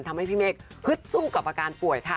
ทำให้พี่เมฆฮึดสู้กับอาการป่วยค่ะ